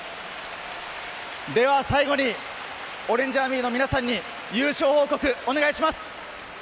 では最後にオレンジアーミーの皆さんに優勝報告をお願いします。